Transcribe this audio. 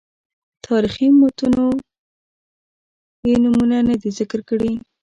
تاریخي متونو یې نومونه نه دي ذکر کړي.